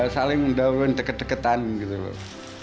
saling down deket deketan gitu loh